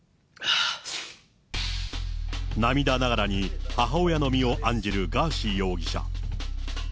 涙ながらに母親の身を案じるガーシー容疑者。